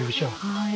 はい。